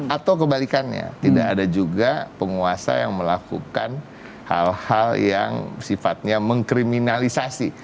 atau kebalikannya tidak ada juga penguasa yang melakukan hal hal yang sifatnya mengkriminalisasi